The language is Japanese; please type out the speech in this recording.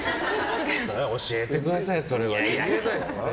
教えてくださいよ、それは。